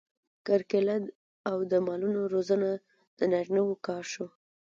کرکیله او د مالونو روزنه د نارینه وو کار شو.